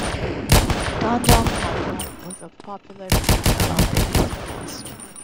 "Tanjong Katong" was a popular beach along the East Coast.